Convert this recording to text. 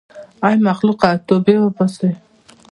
ای مخلوقه توبې وباسئ.